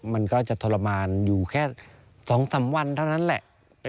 มันก็จะทรมานอยู่แค่๒๓วันเท่านั้นแหละ